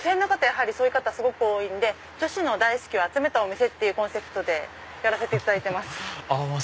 やはりそういう方すごく多いんで「女子の大好きを集めたお店」っていうコンセプトでやらせていただいてます。